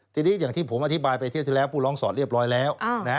ทีนี้อย่างที่ผมอธิบายไปเที่ยวที่แล้วผู้ร้องสอดเรียบร้อยแล้ว